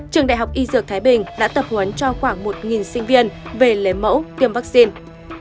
trường đại học y dược thái bình đã tập huấn cho khoảng một sinh viên về lấy mẫu tiêm vaccine